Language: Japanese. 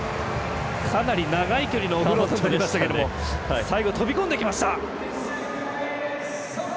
かなり長い距離のオフロードをとりましたけど最後飛び込んでいきました。